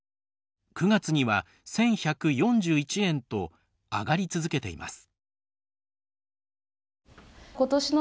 ９月には１，１４１円と上がり続けています。